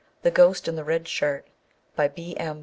THE GHOST IN THE RED SHIRT By B. M.